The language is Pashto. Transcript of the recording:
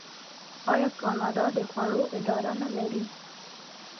آیا کاناډا د خوړو اداره نلري؟